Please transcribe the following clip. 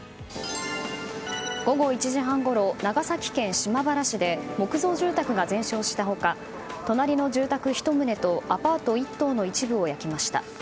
午後１時半ごろ長崎県島原市で木造住宅が全焼した他隣の住宅１棟とアパート１棟の一部を焼きました。